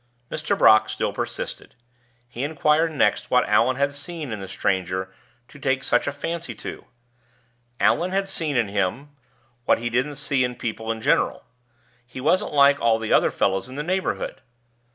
Mr. Brock still persisted. He inquired next what Allan had seen in the stranger to take such a fancy to? Allan had seen in him what he didn't see in people in general. He wasn't like all the other fellows in the neighborhood.